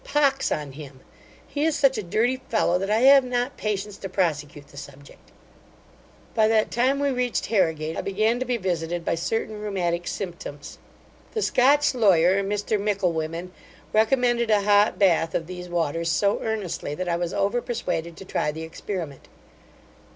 Pox on him! he is such a dirty fellow, that I have not patience to prosecute the subject. By that time we reached Harrigate, I began to be visited by certain rheumatic symptoms. The Scotch lawyer, Mr Micklewhimmen, recommended a hot bath of these waters so earnestly, that I was over persuaded to try the experiment.